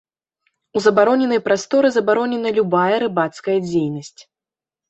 У забароненай прасторы забаронена любая рыбацкая дзейнасць.